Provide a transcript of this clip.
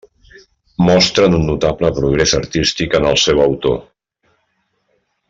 Mostren un notable progrés artístic en el seu autor.